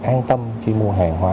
an tâm khi mua hàng hóa